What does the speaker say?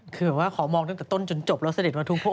คือแบบว่าขอมองตั้งแต่ต้นจนจบแล้วเสด็จมาทุกพระ